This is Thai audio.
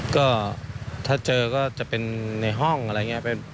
ก็ถ้าเจอก็จะเป็นในห้องอะไรอย่างนี้